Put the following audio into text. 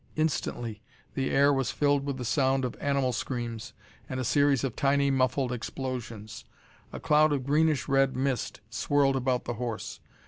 Instantly the air was filled with the sound of animal screams, and a series of tiny, muffled explosions. A cloud of greenish red mist swirled about the horse.